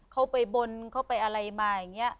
เขาไปบนเขาไปอะไรมาอย่างนี้